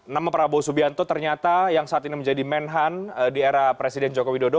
nama prabowo subianto ternyata yang saat ini menjadi menhan di era presiden joko widodo